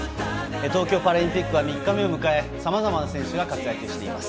東京パラリンピックは３日目を迎えさまざまな選手が活躍しています。